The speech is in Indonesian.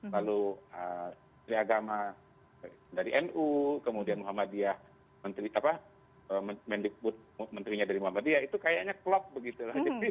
lalu dari agama dari nu kemudian muhammadiyah menteri apa menterinya dari muhammadiyah itu kayaknya klop begitu